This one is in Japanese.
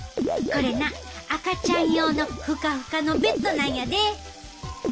これな赤ちゃん用のフカフカのベッドなんやで！